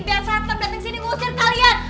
biar sater dateng ke sini ngusir kalian